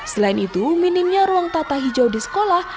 selain itu minimnya ruang tata hijau di sekolah